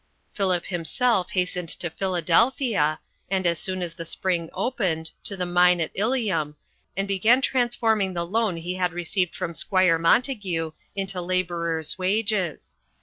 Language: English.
Philip himself hastened to Philadelphia, and, as soon as the spring opened, to the mine at Ilium, and began transforming the loan he had received from Squire Montague into laborers' wages.